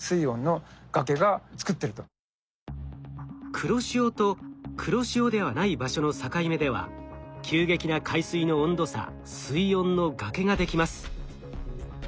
黒潮と黒潮ではない場所の境目では急激な海水の温度差水温の崖ができます。